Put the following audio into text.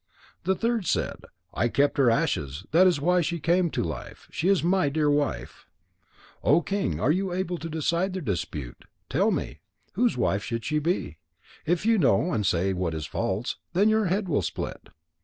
The third said: "I kept her ashes. That is why she came to life. She is my dear wife." O King, you are able to decide their dispute. Tell me. Whose wife should she be? If you know and say what is false, then your head will split.